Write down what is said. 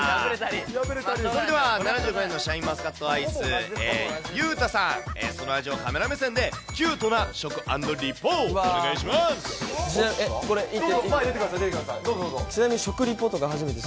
それでは７５円のシャインマスカットアイス、悠太さん、その味をカメラ目線で、キュートな食＆リポート、お願いこれ、いって？